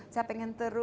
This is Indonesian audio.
saya pengen teruak